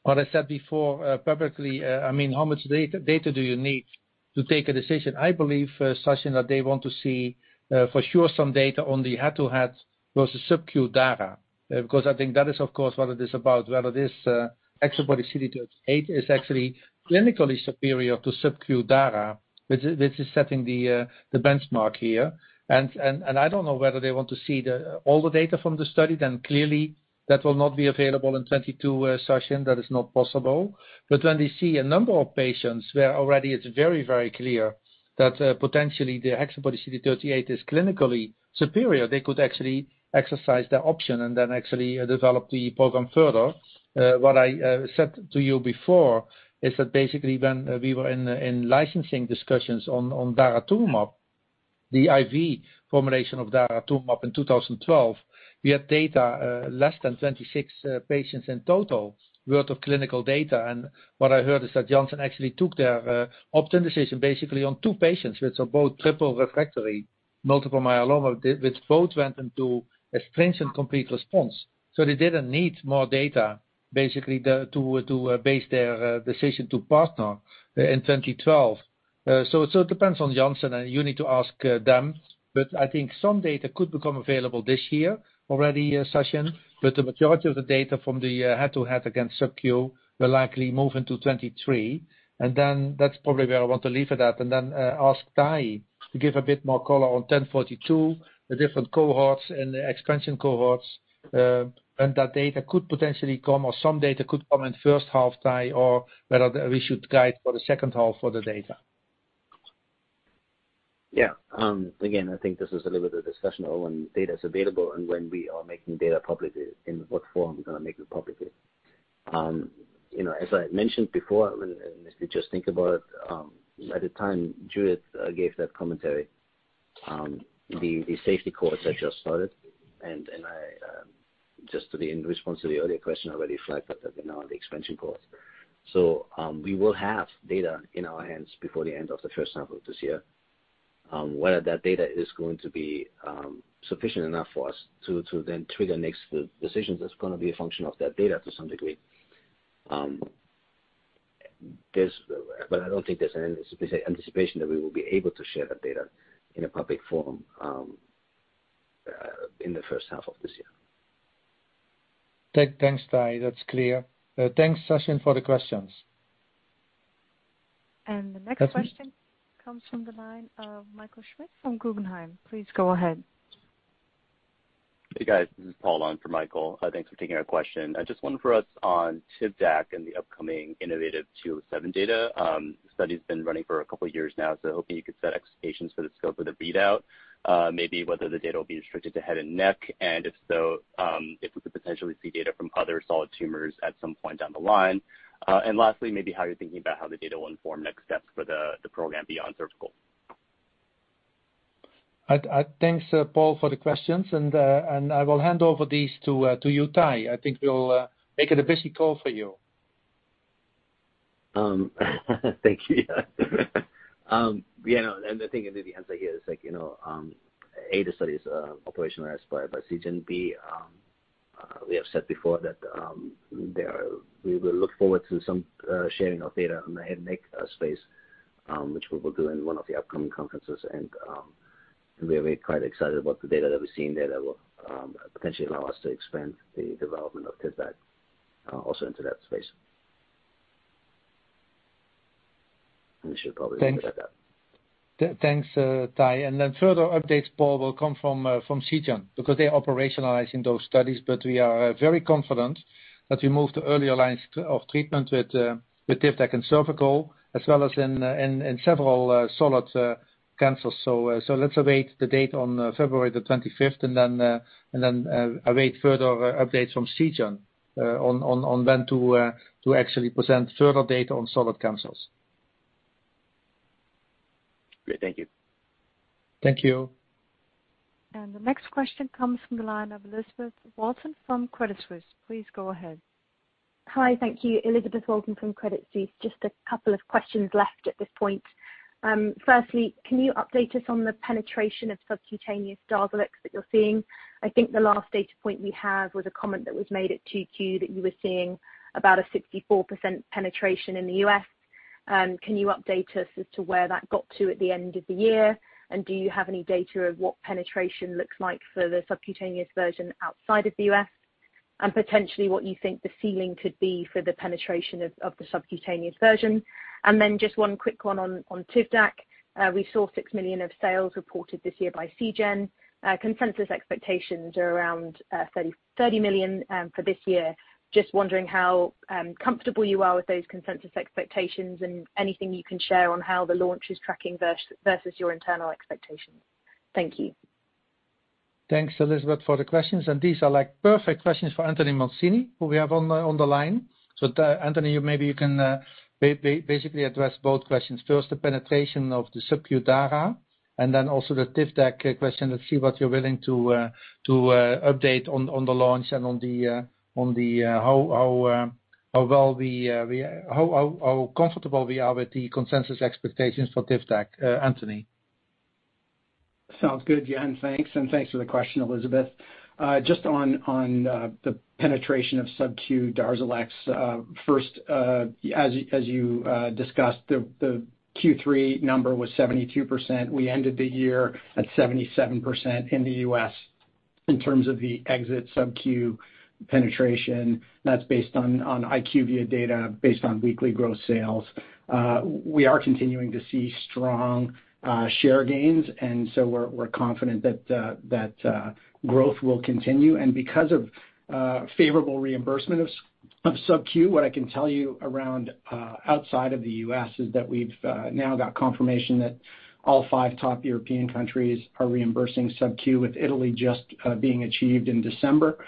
what I said before, publicly, I mean, how much data do you need to take a decision? I believe, Sachin, that they want to see for sure some data on the head-to-head versus SubQ DARZALEX. Because I think that is, of course, what it is about, whether this antibody CD38 is actually clinically superior to SubQ DARZALEX. This is setting the benchmark here. I don't know whether they want to see all the data from the study, then clearly that will not be available in 2022, Sachin. That is not possible. When they see a number of patients where already it's very, very clear that potentially the HexaBody-CD38 is clinically superior, they could actually exercise their option and then actually develop the program further. What I said to you before is that basically when we were in licensing discussions on daratumumab, the IV formulation of daratumumab in 2012, we had data less than 26 patients in total worth of clinical data. What I heard is that Janssen actually took their option decision basically on two patients, which are both triple refractory multiple myeloma, which both went into a stringent complete response. They didn't need more data basically to base their decision to partner in 2012. It depends on Janssen and you need to ask them. I think some data could become available this year already, but the majority of the data from the head-to-head against SubQ will likely move into 2023. That's probably where I want to leave it at, and then ask Tahi to give a bit more color on 1042, the different cohorts and the expansion cohorts, when that data could potentially come, or some data could come in first half, Tahi, or whether we should guide for the second half for the data. Yeah. Again, I think this is a little bit of discussion on when data is available and when we are making data public, in what form we're gonna make it publicly. You know, as I mentioned before, if you just think about it, at the time Judith gave that commentary, the safety cohorts had just started, and I, in response to the earlier question, I already flagged that they're now on the expansion cohorts. We will have data in our hands before the end of the first half of this year. Whether that data is going to be sufficient enough for us to then trigger next decisions, that's gonna be a function of that data to some degree. I don't think there's any anticipation that we will be able to share that data in a public forum, in the first half of this year. Thanks, Tahi. That's clear. Thanks, Sachin, for the questions. The next question comes from the line of Michael Schmidt from Guggenheim. Please go ahead. Hey, guys. This is Paul on for Michael. Thanks for taking our question. I just wonder for us on TIVDAK and the upcoming innovaTV 207 data. Study's been running for a couple of years now, so hoping you could set expectations for the scope of the read out, maybe whether the data will be restricted to head and neck, and if so, if we could potentially see data from other solid tumors at some point down the line. And lastly, maybe how you're thinking about how the data will inform next steps for the program beyond cervical. Thanks, Paul, for the questions. I will hand over these to you, Tahi. I think we'll make it a busy call for you. Thank you. Yeah, I think the answer here is like, you know, A, the study is operationalized by Seagen. B, we have said before that we will look forward to some sharing of data on the head and neck space, which we will do in one of the upcoming conferences. We're very quite excited about the data that we're seeing there that will potentially allow us to expand the development of TIVDAK also into that space. We should probably leave it at that. Thanks, Tahi. Further updates, Paul, will come from Seagen because they are operationalizing those studies. We are very confident that we move to earlier lines of treatment with TIVDAK and cervical as well as in several solid cancers. Let's await the date on February the 25th and then await further updates from Seagen on when to actually present further data on solid cancers. Great. Thank you. Thank you. The next question comes from the line of Elizabeth Walton from Credit Suisse. Please go ahead. Hi. Thank you. Elizabeth Walton from Credit Suisse. Just a couple of questions left at this point. First, can you update us on the penetration of subcutaneous DARZALEX that you're seeing? I think the last data point we have was a comment that was made at 2Q that you were seeing about 64% penetration in the U.S. Can you update us as to where that got to at the end of the year? And do you have any data of what penetration looks like for the subcutaneous version outside of the U.S.? And potentially what you think the ceiling could be for the penetration of the subcutaneous version. And then just one quick one on TIVDAK. We saw $6 million of sales reported this year by Seagen. Consensus expectations are around 30 million for this year. Just wondering how comfortable you are with those consensus expectations and anything you can share on how the launch is tracking versus your internal expectations. Thank you. Thanks, Elizabeth, for the questions. These are like perfect questions for Anthony Mancini, who we have on the line. Anthony, maybe you can basically address both questions. First, the penetration of the SubQ daratumumab, and then also the TIVDAK question to see what you're willing to update on the launch and on how comfortable we are with the consensus expectations for TIVDAK. Anthony. Sounds good, Jan. Thanks. Thanks for the question, Elizabeth. Just on the penetration of SubQ DARZALEX. First, as you discussed, the Q3 number was 72%. We ended the year at 77% in the U.S. in terms of the exit SubQ penetration. That's based on IQVIA data, based on weekly gross sales. We are continuing to see strong share gains, and so we're confident that growth will continue. Because of favorable reimbursement of SubQ, what I can tell you around outside of the U.S. is that we've now got confirmation that all five top European countries are reimbursing SubQ, with Italy just being achieved in December.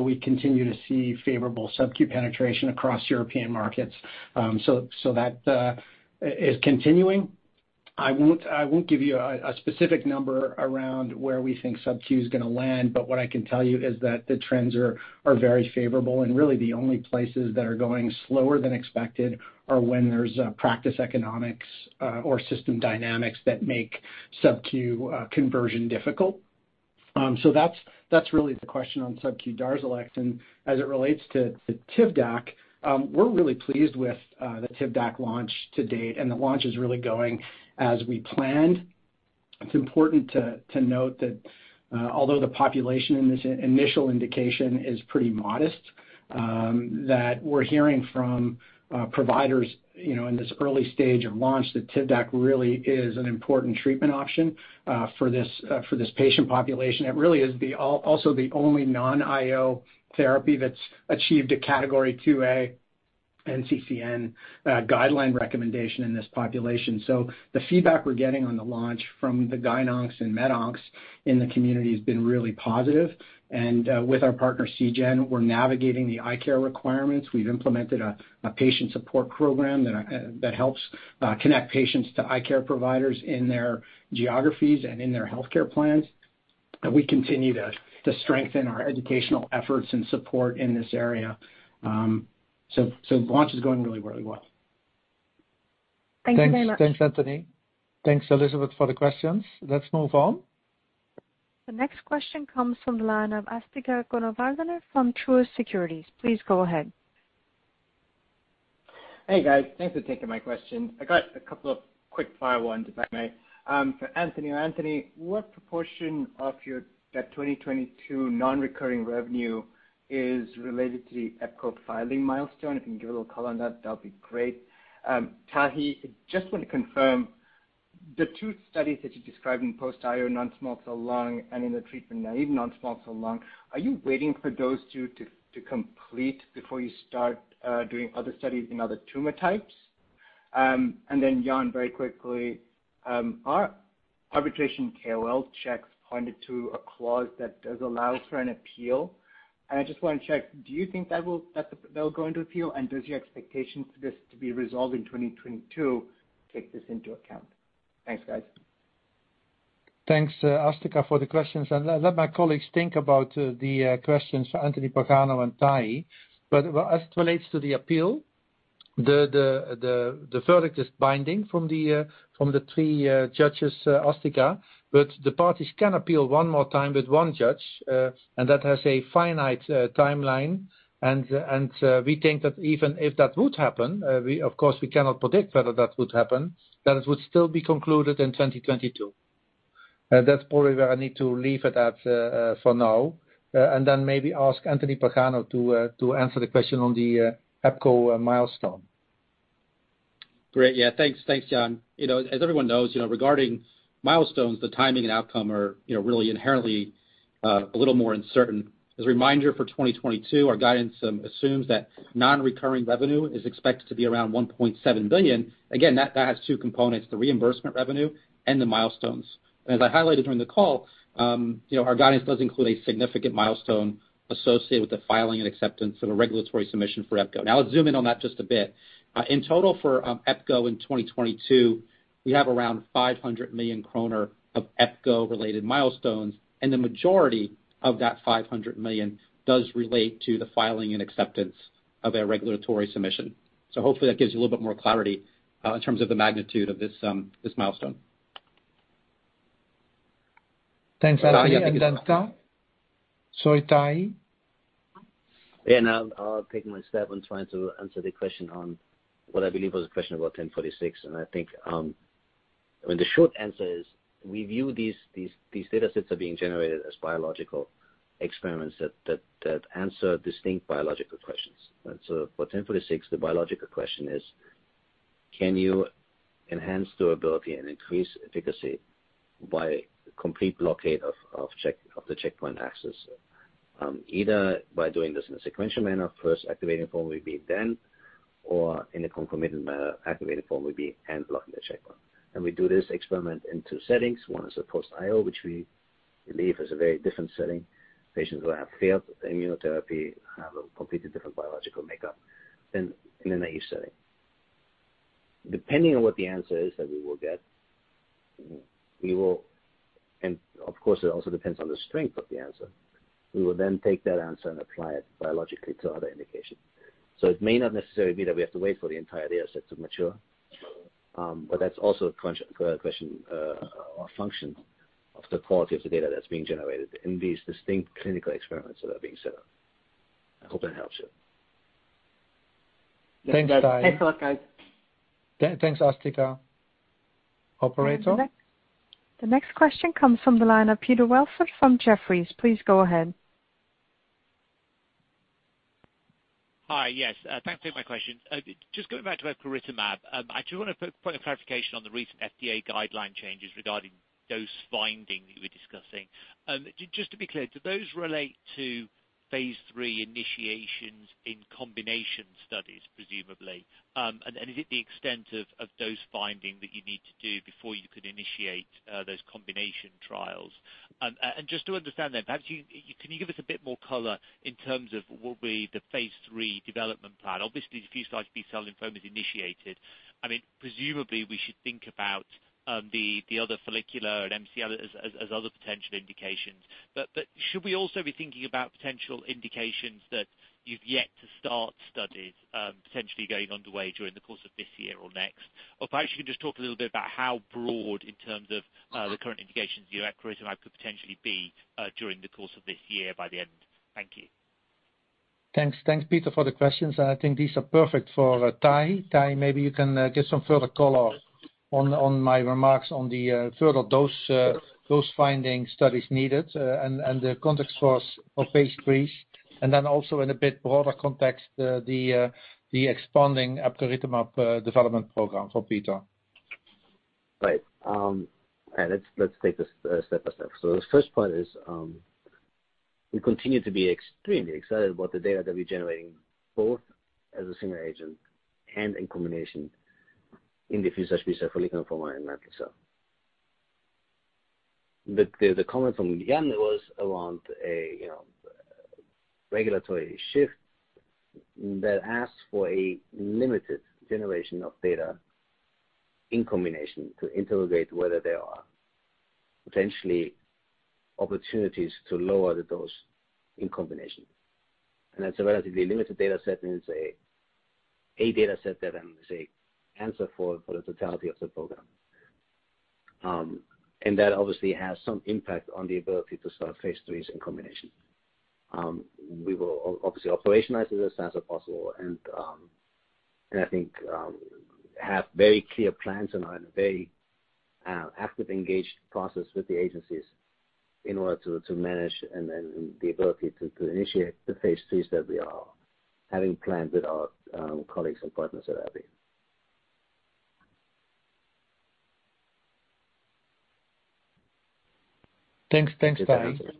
We continue to see favorable SubQ penetration across European markets. That is continuing. I won't give you a specific number around where we think SubQ is gonna land, but what I can tell you is that the trends are very favorable, and really the only places that are going slower than expected are when there's practice economics or system dynamics that make SubQ conversion difficult. That's really the question on subQ DARZALEX. As it relates to TIVDAK, we're really pleased with the TIVDAK launch to date, and the launch is really going as we planned. It's important to note that although the population in this initial indication is pretty modest, that we're hearing from providers, you know, in this early stage of launch that TIVDAK really is an important treatment option for this patient population. It really is the also the only non-IO therapy that's achieved a Category 2A NCCN guideline recommendation in this population. The feedback we're getting on the launch from the gyn oncs and med oncs in the community has been really positive. With our partner Seagen, we're navigating the eye care requirements. We've implemented a patient support program that helps connect patients to eye care providers in their geographies and in their healthcare plans. We continue to strengthen our educational efforts and support in this area. Launch is going really well. Thank you very much. Thanks. Thanks, Anthony. Thanks, Elizabeth, for the questions. Let's move on. The next question comes from the line of Asthika Goonewardene from Truist Securities. Please go ahead. Hey, guys. Thanks for taking my question. I got a couple of quick-fire ones, if I may. For Anthony, what proportion of your, that 2022 non-recurring revenue is related to the epcoritamab filing milestone? If you can give a little color on that'd be great. Tahi, I just want to confirm the two studies that you described in post-IO non-small cell lung cancer and in the treatment-naive non-small cell lung cancer, are you waiting for those two to complete before you start doing other studies in other tumor types? Then Jan, very quickly, our arbitration KOL checks pointed to a clause that does allow for an appeal. I just wanna check, do you think that they'll go into appeal, and does your expectation for this to be resolved in 2022 take this into account? Thanks, guys. Thanks, Asthika, for the questions. Let my colleagues think about the questions for Anthony Pagano and Tahi. As it relates to the appeal, the verdict is binding from the three judges, Asthika, but the parties can appeal one more time with one judge, and that has a finite timeline. We think that even if that would happen, we of course cannot predict whether that would happen, that it would still be concluded in 2022. That's probably where I need to leave it for now, and then maybe ask Anthony Pagano to answer the question on the epcoritamab milestone. Great. Yeah. Thanks, Jan. You know, as everyone knows, you know, regarding milestones, the timing and outcome are, you know, really inherently a little more uncertain. As a reminder for 2022, our guidance assumes that non-recurring revenue is expected to be around 1.7 billion. Again, that has two components, the reimbursement revenue and the milestones. As I highlighted during the call, you know, our guidance does include a significant milestone associated with the filing and acceptance of a regulatory submission for epcoritamab. Now, let's zoom in on that just a bit. In total for epcoritamab in 2022, we have around 500 million kroner of epcoritamab-related milestones, and the majority of that 500 million does relate to the filing and acceptance of a regulatory submission. Hopefully that gives you a little bit more clarity in terms of the magnitude of this milestone. Thanks, Asthika. Sorry, Tahi. Yeah. I'll take my stab on trying to answer the question on what I believe was a question about 1046. I think, I mean, the short answer is we view these data sets as being generated as biological experiments that answer distinct biological questions. For 1046, the biological question is, can you enhance durability and increase efficacy by complete blockade of the checkpoint axis? Either by doing this in a sequential manner, first activating 4-1BB then, or in a concomitant manner, activating 4-1BB and blocking the checkpoint. We do this experiment in two settings. One is a post-IO, which we believe is a very different setting. Patients who have failed immunotherapy have a completely different biological makeup than in a naive setting. Depending on what the answer is that we will get, we will. Of course, it also depends on the strength of the answer. We will then take that answer and apply it biologically to other indications. It may not necessarily be that we have to wait for the entire data set to mature, but that's also a question or function of the quality of the data that's being generated in these distinct clinical experiments that are being set up. I hope that helps you. Thanks, Tahi. Thanks a lot, guys. Thanks, Asthika. Operator? The next question comes from the line of Peter Welford from Jefferies. Please go ahead. Hi. Yes. Thanks for taking my question. Just going back to Eculizumab, I do wanna put a point of clarification on the recent FDA guideline changes regarding dose finding that you were discussing. Just to be clear, do those relate to phase III initiations in combination studies, presumably? And is it the extent of dose finding that you need to do before you can initiate those combination trials? And just to understand then, perhaps you can give us a bit more color in terms of what will be the phase III development plan? Obviously, if you start B-cell lymphoma is initiated, I mean, presumably we should think about the other follicular and MCL as other potential indications. should we also be thinking about potential indications that you've yet to start studies, potentially going underway during the course of this year or next? Perhaps you can just talk a little bit about how broad in terms of the current indications the epcoritamab could potentially be during the course of this year by the end. Thank you. Thanks. Thanks, Peter, for the questions, and I think these are perfect for Tahi. Tahi, maybe you can give some further color on my remarks on the further dose finding studies needed, and the context for phase IIIs, and then also in a bit broader context, the expanding epcoritamab development program for Peter. Right. All right. Let's take this step by step. The first part is we continue to be extremely excited about the data that we're generating, both as a single agent and in combination in diffuse large B-cell lymphoma and mantle cell. The comment from Jan was around a you know regulatory shift that asks for a limited generation of data in combination to interrogate whether there are potentially opportunities to lower the dose in combination. That's a relatively limited data set, and it's a data set that is an answer for the totality of the program. That obviously has some impact on the ability to start phase IIIs in combination. We will obviously operationalize it as soon as possible and I think have very clear plans and are in a very active, engaged process with the agencies in order to manage and then the ability to initiate the phase IIIs that we are having planned with our colleagues and partners at AbbVie. Thanks. Thanks, Tahi. The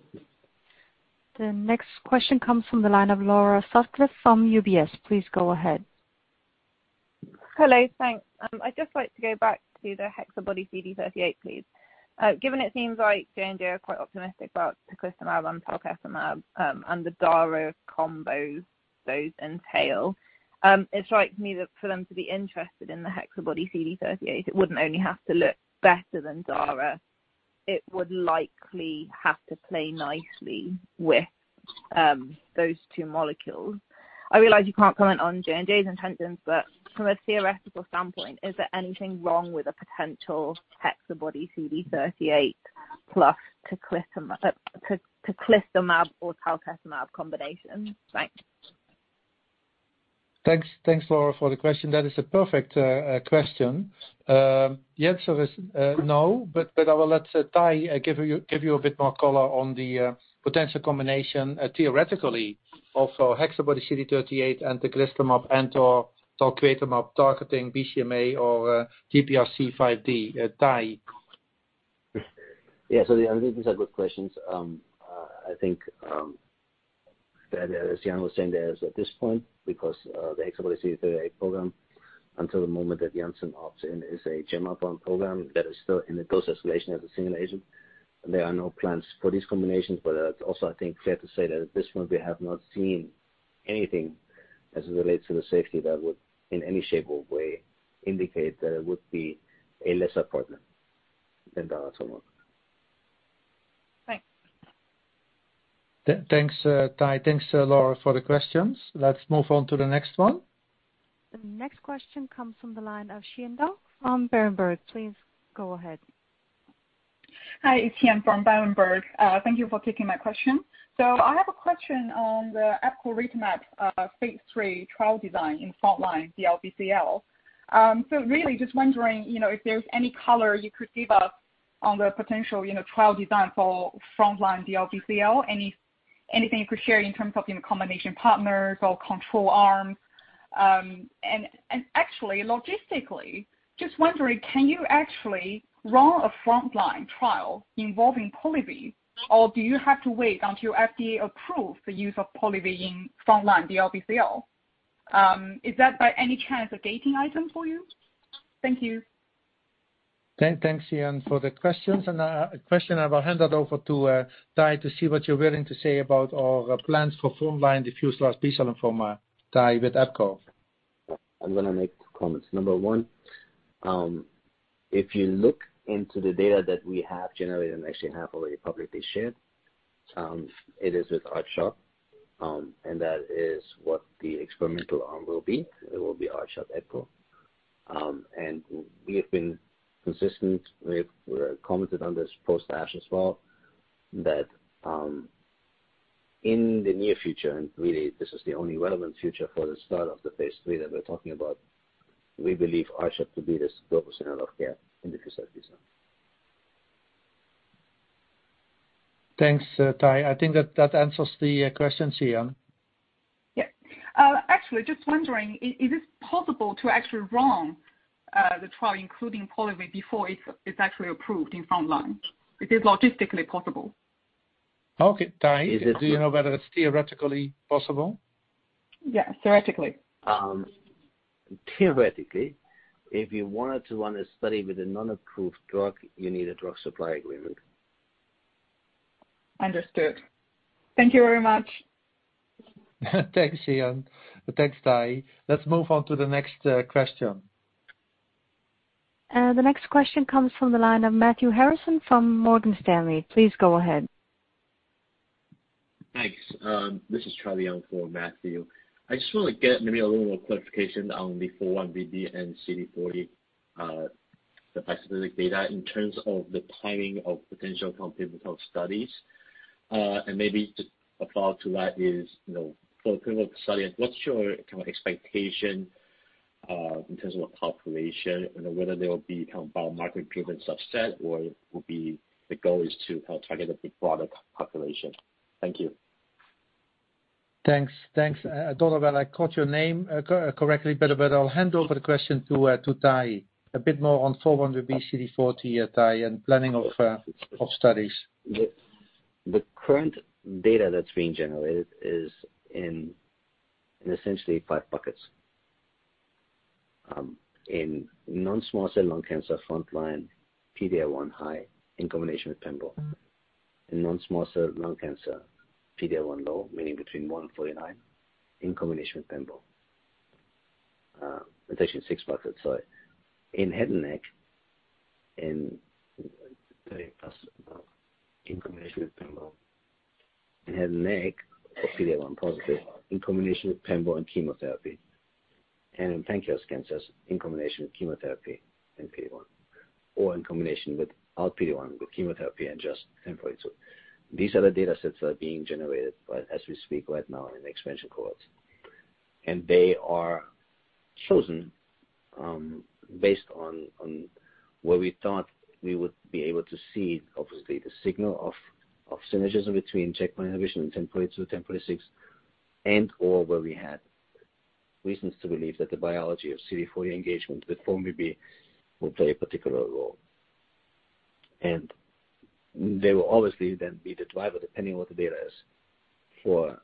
next question comes from the line of Laura Sutcliffe from UBS. Please go ahead. Hello. Thanks. I'd just like to go back to the HexaBody-CD38, please. Given it seems like J&J are quite optimistic about teclistamab and talquetamab, and the dara combos those entail, it strikes me that for them to be interested in the HexaBody-CD38, it wouldn't only have to look better than dara, it would likely have to play nicely with those two molecules. I realize you can't comment on J&J's intentions, but from a theoretical standpoint, is there anything wrong with a potential HexaBody-CD38 plus teclistamab or talquetamab combination? Thanks. Thanks, Laura, for the question. That is a perfect question. The answer is no, but I will let Tahi give you a bit more color on the potential combination, theoretically, of HexaBody-CD38 with teclistamab and/or talquetamab targeting BCMA or GPRC5D. Ty? Yeah. These are good questions. I think that as Jan was saying, there's at this point, because the HexaBody-CD38 program until the moment that Janssen opts in is a Genmab program that is still in the process of registration as a single agent. There are no plans for these combinations, but it's also, I think, fair to say that at this point we have not seen anything as it relates to the safety that would, in any shape or way, indicate that it would be a lesser partner than the other two. Thanks. Thanks, Tahi. Thanks, Laura, for the questions. Let's move on to the next one. The next question comes from the line of Xian Deng from Berenberg. Please go ahead. Hi. It's Xian from Berenberg. Thank you for taking my question. I have a question on the epcoritamab phase III trial design in frontline DLBCL. Really just wondering, you know, if there's any color you could give us on the potential, you know, trial design for frontline DLBCL? Anything you could share in terms of, you know, combination partners or control arms? Actually logistically, just wondering, can you actually run a frontline trial involving pola-R-CHP, or do you have to wait until FDA approves the use of pola-R-CHP in frontline DLBCL? Is that by any chance a gating item for you? Thank you. Thanks, Xian, for the questions. To that question, I will hand that over to Tahi to see what you're willing to say about our plans for frontline diffuse large B-cell lymphoma. Tahi, with Epco. I'm gonna make two comments. Number one, if you look into the data that we have generated and actually have already publicly shared, it is with R-CHOP, and that is what the experimental arm will be. It will be R-CHOP/epcor. We have been consistent. We've commented on this post-ASH as well, that in the near future, and really this is the only relevant future for the start of the phase III that we're talking about, we believe R-CHOP to be the standard of care in diffuse large B-cell. Thanks, Tahi. I think that answers the question, Xian Deng. Yeah. Actually just wondering, is it possible to actually run the trial including pola-R-CHP before it's actually approved in front line? Is this logistically possible? Okay. Tahi, do you know whether it's theoretically possible? Yeah, theoretically. Theoretically, if you wanted to run a study with a non-approved drug, you need a drug supply agreement. Understood. Thank you very much. Thanks, Xian. Thanks, Tahi. Let's move on to the next question. The next question comes from the line of Matthew Harrison from Morgan Stanley. Please go ahead. Thanks. This is Charlie Yang for Matthew. I just want to get maybe a little more clarification on the 4-1BB and CD40. The specific data in terms of the timing of potential clinical studies, and maybe to follow up on that is, you know, for a clinical study, what's your kind of expectation, in terms of a population, you know, whether they'll be kind of biomarker-proven subset or will the goal be to target a bigger, broader population? Thank you. Thanks. I don't know whether I caught your name correctly, but I'll hand over the question to Tahi, a bit more on 4-1BB CD40, Tahi, and planning of studies. The current data that's being generated is in essentially five buckets. In non-small cell lung cancer frontline, PD-L1 high in combination with pembro. In non-small cell lung cancer, PD-L1 low, meaning between 1% and 49% in combination with pembro. Potentially six buckets, sorry. In head and neck, 30+ in combination with pembro. In head and neck for PD-L1 positive in combination with pembro and chemotherapy. In pancreatic cancer in combination with chemotherapy and PD-L1, or in combination with our PD-L1 with chemotherapy and just pembro too. These are the data sets that are being generated as we speak right now in expansion cohorts. They are chosen based on where we thought we would be able to see obviously the signal of synergies between checkpoint inhibition and GEN1042, GEN1046 and/or where we had reasons to believe that the biology of CD40 engagement with 4-1BB would play a particular role. They will obviously then be the driver, depending on what the data is for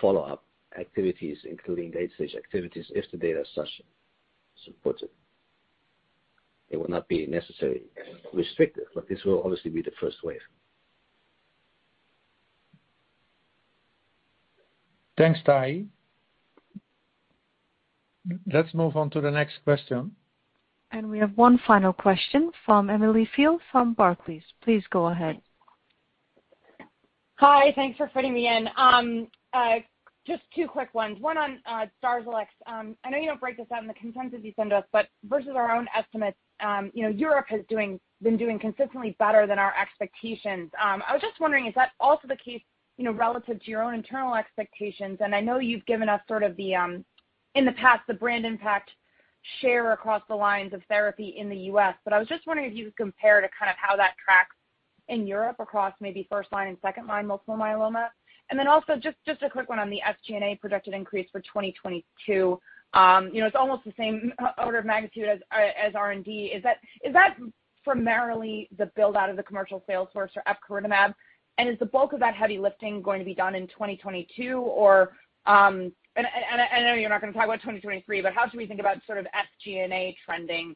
follow-up activities, including late stage activities, if the data is supportive. It will not be necessarily restricted, but this will obviously be the first wave. Thanks, Tahi. Let's move on to the next question. We have one final question from Emily Field from Barclays. Please go ahead. Hi. Thanks for fitting me in. Just two quick ones. One on DARZALEX. I know you don't break this out in the consensus you send us, but versus our own estimates, you know, Europe has been doing consistently better than our expectations. I was just wondering, is that also the case, you know, relative to your own internal expectations? I know you've given us sort of, in the past, the brand market share across the lines of therapy in the U.S., but I was just wondering if you could compare to kind of how that tracks in Europe across maybe first line and second line multiple myeloma. Also just a quick one on the SG&A projected increase for 2022. You know, it's almost the same order of magnitude as R&D. Is that primarily the build-out of the commercial sales force for epcoritamab? Is the bulk of that heavy lifting going to be done in 2022? I know you're not gonna talk about 2023, but how should we think about sort of SG&A trending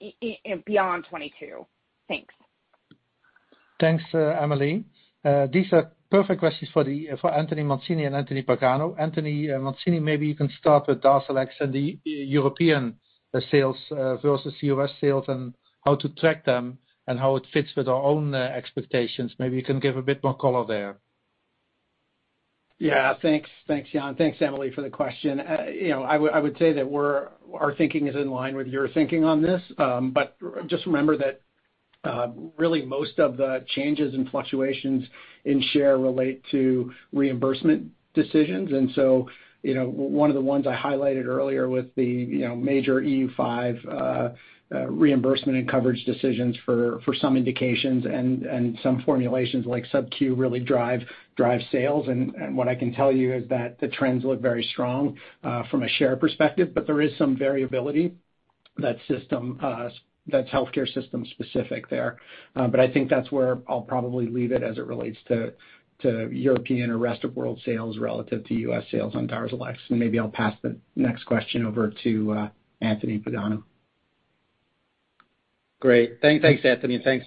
in beyond 2022? Thanks. Thanks, Emily. These are perfect questions for Anthony Mancini and Anthony Pagano. Anthony Mancini, maybe you can start with DARZALEX and the European sales versus U.S. sales and how to track them and how it fits with our own expectations. Maybe you can give a bit more color there. Thanks. Thanks, Jan. Thanks, Emily, for the question. You know, I would say that our thinking is in line with your thinking on this. Just remember that really most of the changes and fluctuations in share relate to reimbursement decisions. You know, one of the ones I highlighted earlier with the major EU5 reimbursement and coverage decisions for some indications and some formulations like SubQ really drive sales. What I can tell you is that the trends look very strong from a share perspective, but there is some variability that's healthcare system specific there. I think that's where I'll probably leave it as it relates to European or rest of world sales relative to U.S. sales on DARZALEX. Maybe I'll pass the next question over to Anthony Pagano. Great. Thanks, Anthony. Thanks,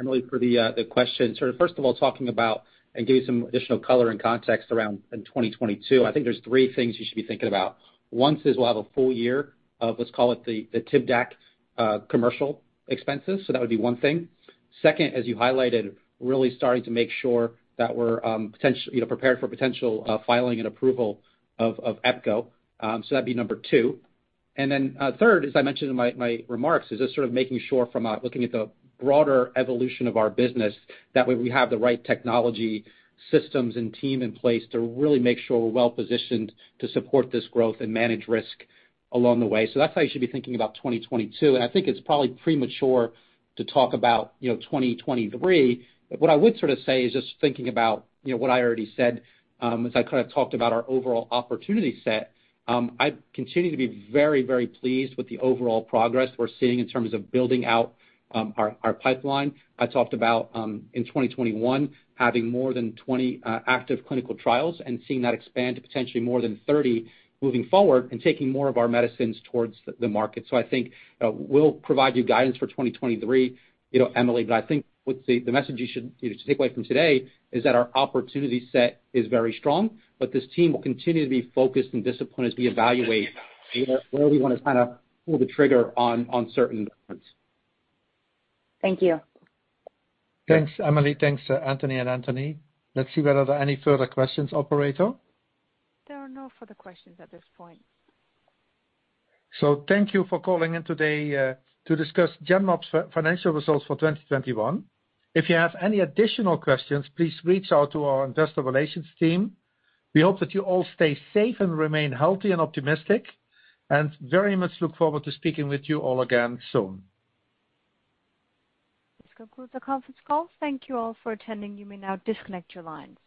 Emily, for the question. Sort of first of all, talking about and giving some additional color and context around in 2022, I think there's three things you should be thinking about. One is we'll have a full year of, let's call it the TIVDAK commercial expenses. So that would be one thing. Second, as you highlighted, really starting to make sure that we're poised, you know, prepared for potential filing and approval of epcoritamab. So that'd be number two. And then, third, as I mentioned in my remarks, is just sort of making sure, looking at the broader evolution of our business, that we have the right technology systems and team in place to really make sure we're well-positioned to support this growth and manage risk along the way. That's how you should be thinking about 2022. I think it's probably premature to talk about, you know, 2023. What I would sort of say is just thinking about, you know, what I already said, as I kind of talked about our overall opportunity set, I continue to be very, very pleased with the overall progress we're seeing in terms of building out, our pipeline. I talked about, in 2021 having more than 20 active clinical trials and seeing that expand to potentially more than 30 moving forward and taking more of our medicines towards the market. I think we'll provide you guidance for 2023, you know, Emily, but I think what's the... The message you should, you know, take away from today is that our opportunity set is very strong, but this team will continue to be focused and disciplined as we evaluate where we wanna kind of pull the trigger on certain. Thank you. Thanks, Emily. Thanks, Anthony and Anthony. Let's see whether there are any further questions, operator. There are no further questions at this point. Thank you for calling in today to discuss Genmab's financial results for 2021. If you have any additional questions, please reach out to our investor relations team. We hope that you all stay safe and remain healthy and optimistic, and very much look forward to speaking with you all again soon. This concludes the conference call. Thank you all for attending. You may now disconnect your lines.